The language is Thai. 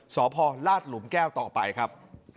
สพลาดหลุมแก้วต่อไปครับ